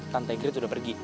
tante griet udah pergi